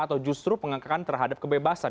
atau justru pengangkakan terhadap kebebasan